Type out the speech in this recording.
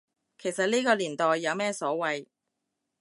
其實呢個年代有咩所謂